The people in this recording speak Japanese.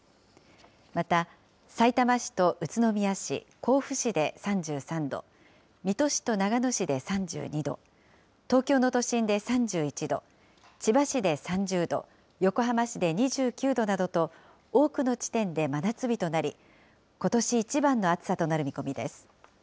また、さいたま市と宇都宮市、甲府市で３３度、水戸市と長野市で３２度、東京の都心で３１度、千葉市で３０度、横浜市で２９度などと、多くの地点で真夏日となり、ことし一番の暑さとなる見込みです。